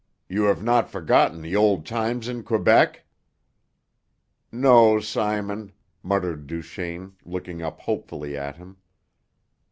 You have not forgotten the old times in Quebec?" "No, Simon," muttered Duchaine, looking up hopefully at him.